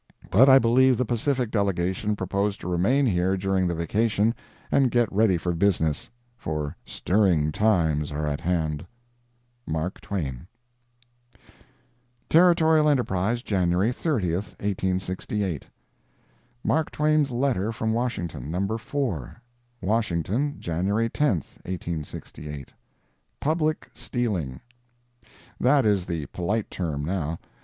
But I believe the Pacific delegation propose to remain here during the vacation and get ready for business—for stirring times are at hand. MARK TWAIN. Territorial Enterprise, January 30, 1868 MARK TWAIN'S LETTERS FROM WASHINGTON. NUMBER IV. WASHINGTON, January 10, 1868 PUBLIC STEALING. That is the polite term now.